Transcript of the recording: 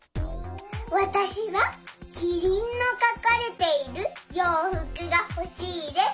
わたしはキリンのかかれているようふくがほしいです。